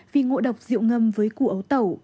vì ngộ độc rượu ngâm với củ ấu tẩu